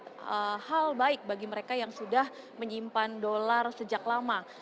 ini adalah hal baik bagi mereka yang sudah menyimpan dolar sejak lama